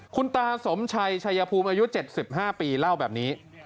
คุณตาสมชัยชัยภูมิอายุ๗๕ปีเล่าแบบนี้